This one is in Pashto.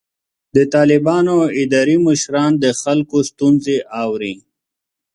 د طالبانو اداري مشران د خلکو ستونزې اوري.